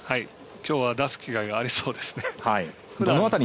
きょうは出す機会がありそうですね。